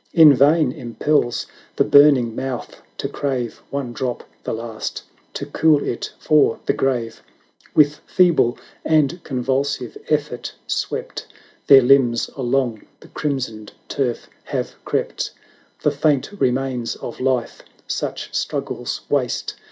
In vain impels the burning mouth to crave One drop — the last — to cool it for the grave; 10^6 With feeble and convulsive effort swept, Their limbs along the crimsoned turf have crept; The faint remains of hfe such struggles waste.